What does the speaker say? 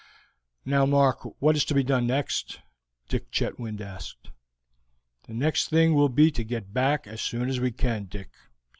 "Now, Mark, what is to be done next?" Dick Chetwynd asked. "The next thing will be to get back as soon as we can, Dick.